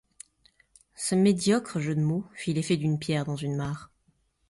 Ce médiocre jeu de mots fit l’effet d’une pierre dans une mare.